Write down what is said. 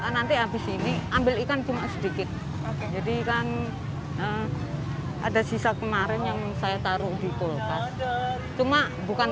nanti habis ini ambil ikan cuma sedikit oke jadi kan ada sisa kemarin yang saya taruh di kulkas cuma bukan